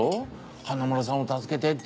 花村さんを助けてって。